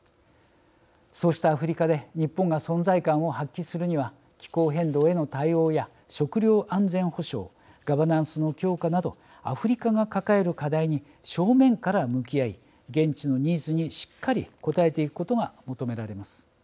そうしたアフリカで日本が存在感を発揮するには気候変動への対応や食料安全保障ガバナンスの強化などアフリカが抱える課題に正面から向き合い現地のニーズにしっかり応えていくことが求められます。